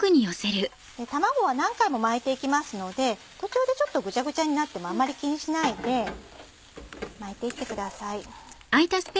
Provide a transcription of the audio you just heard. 卵は何回も巻いて行きますので途中でちょっとぐちゃぐちゃになってもあまり気にしないで巻いて行ってください。